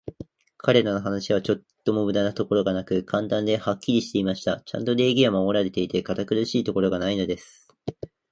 彼等の話は、ちょっとも無駄なところがなく、簡単で、はっきりしていました。ちゃんと礼儀は守られていて、堅苦しいところがないのです。